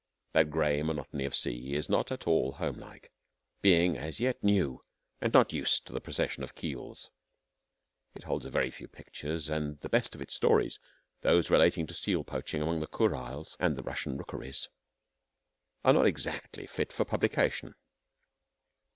That gray monotony of sea is not at all homelike, being as yet new and not used to the procession of keels. It holds a very few pictures and the best of its stories those relating to seal poaching among the Kuriles and the Russian rookeries are not exactly fit for publication.